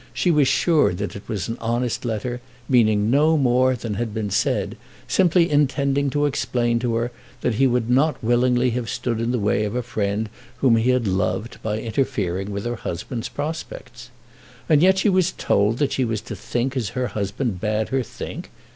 She was sure that it was an honest letter, meaning no more than had been said, simply intending to explain to her that he would not willingly have stood in the way of a friend whom he had loved, by interfering with her husband's prospects. And yet she was told that she was to think as her husband bade her think!